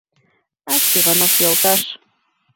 — Ах, Иванов йолташ!